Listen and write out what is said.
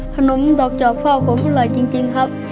ขนมดอกจอกพ่อผมอร่อยจริงครับ